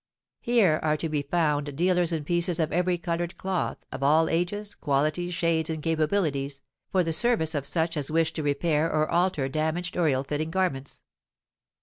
Here are to be found dealers in pieces of every coloured cloth, of all ages, qualities, shades, and capabilities, for the service of such as wish to repair or alter damaged or ill fitting garments.